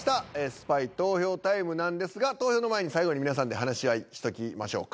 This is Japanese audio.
スパイ投票タイムなんですが投票の前に最後に皆さんで話し合いしときましょうか。